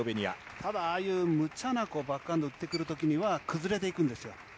ただ、ああいうむちゃなバックハンド打っていくときには、崩れていくんですよ。